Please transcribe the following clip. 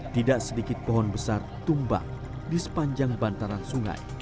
tidak sedikit pohon besar tumbang di sepanjang bantaran sungai